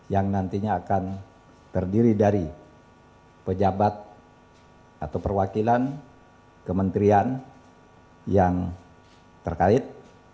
yang nantinya akan terdiri dari pejabat atau perwakilan kementerian yang terkait